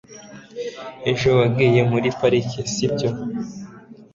ejo wagiye muri parike, sibyo